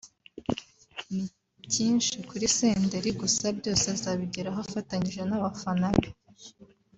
ni cyinshi kuri Senderi gusa byose azabigeraho afatanyije n’abafana be